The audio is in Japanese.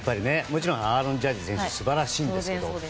もちろんアーロン・ジャッジ選手素晴らしいんですけど。